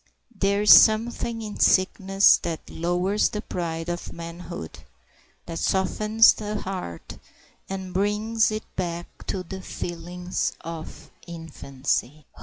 There is something in sickness that lowers the pride of manhood, that softens the heart, and brings it back to the feelings of infancy.